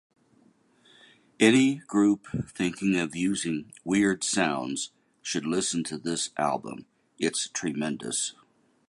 Any group thinking of using weird sounds should listen to this album, it's tremendous.